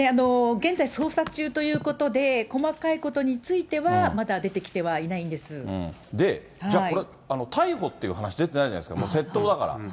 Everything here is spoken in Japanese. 現在捜査中ということで、細かいことについては、じゃあ、これ、逮捕っていう話出てないじゃないですか、窃盗だから。